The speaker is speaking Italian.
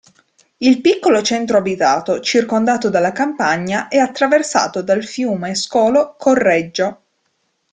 Il piccolo centro abitato, circondato dalla campagna è attraversato dal fiume scolo Correggio.